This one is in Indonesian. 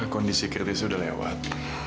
kondisi kritis sudah lewat